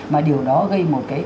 mà điều đó gây một cái